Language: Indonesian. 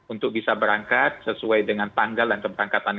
untuk bisa berangkat sesuai dengan tanggal dan keberangkatan